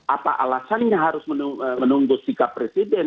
apa alasannya harus menunggu sikap presiden